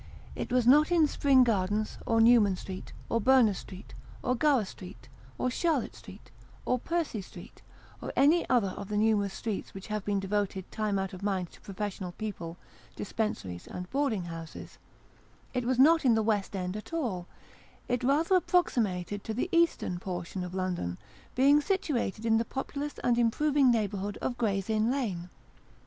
It was not in Spring Gardens, or Newman Street, or Berners Street, or Gower Street, or Charlotte Street, or Percy Street, or any other of the numerous streets which have been devoted time out of mind to professional people, dispensaries, and boarding houses ; it was not in the West End at all it rather approximated to the eastern portion of London, being situated in the populous and improving neighbourhood of Gray's Inn Lane.